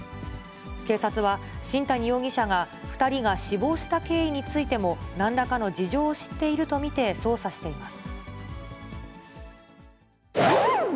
警察は、新谷容疑者が２人が死亡した経緯についても、なんらかの事情を知っていると見て捜査しています。